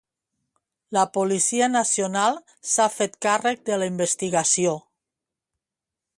La Policia Nacional s'ha fet càrrec de la investigació.